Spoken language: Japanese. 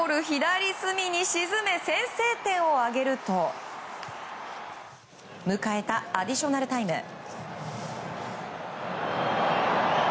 左隅に沈め、先制点を挙げると迎えたアディショナルタイム。